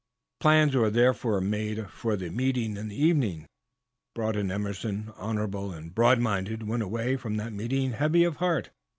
Plans were thereupon made for the meeting in the evening. Broughton Emerson, honorable and broad minded went away from that meeting heavy of heart.